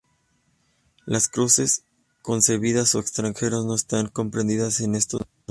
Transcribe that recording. Las cruces concebidas a extranjeros no están comprendidas en estos números.